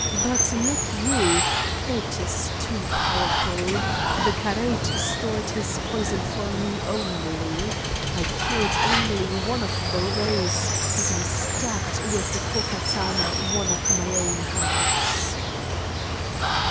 But look you, Fate is too powerful. The karait stored his poison for me only. I killed only one of the race, and him I stabbed with a Ko Katana of my own house."